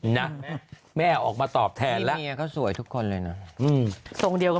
หน้าเนื้อแขนเขินพึ่งท้องน่ะ